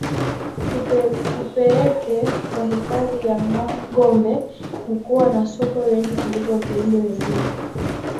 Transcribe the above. upeeke wa hifadhi ya gombe ni kuwa na sokwe wengi kuliko viumbe wengine